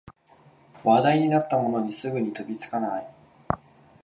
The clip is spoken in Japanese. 話題になったものにすぐに飛びつかない